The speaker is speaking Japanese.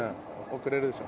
遅れるでしょ。